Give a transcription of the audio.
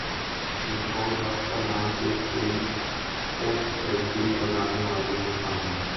مصباح الحق کا نام تیز ترین ٹیسٹ سنچری بنانے والوںمیں شامل